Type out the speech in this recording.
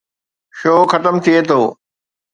Show ختم ٿئي ٿو.